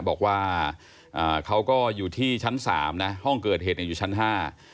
บอกว่าอ่าเขาก็อยู่ที่ชั้นสามนะห้องเกิดเหตุเนี่ยอยู่ชั้นห้า